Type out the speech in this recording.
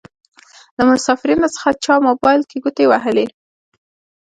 له مسافرينو څخه چا موبايل کې ګوتې وهلې.